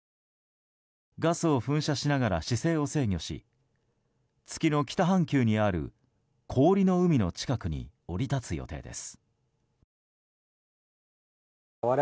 ガスを噴射しながら姿勢を制御し月の北半球にある氷の海の近くに降り立つ予定です。